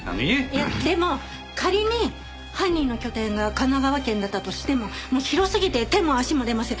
いやでも仮に犯人の拠点が神奈川県だったとしても広すぎて手も足も出ません。